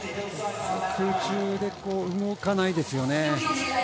空中で動かないですよね。